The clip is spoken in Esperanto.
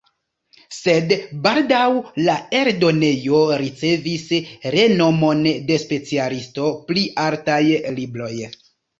Sed baldaŭ la eldonejo ricevis renomon de specialisto pri artaj libroj.